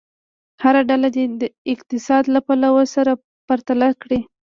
هره ډله دې اقتصاد له پلوه سره پرتله کړي.